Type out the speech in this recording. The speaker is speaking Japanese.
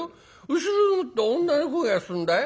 後ろでもって女の声がするんだい。